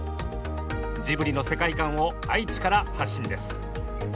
ジブリの世界観を愛知から発信です。